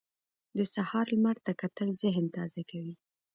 د سهار لمر ته کتل ذهن تازه کوي.